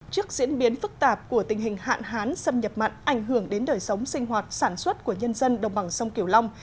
trước diễn biến phức tạp của tình hình hạn hán xâm nhập mặn ảnh hưởng đến đời sống sinh hoạt sản xuất của nhân dân đồng bằng sông kiểu long